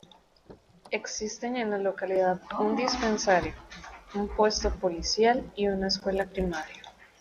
Existen en la localidad un dispensario, un puesto policial y una escuela primaria.